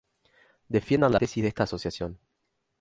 defiendan las tesis de esta asociación